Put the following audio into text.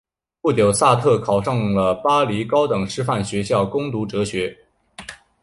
不久萨特考上了巴黎高等师范学校攻读哲学。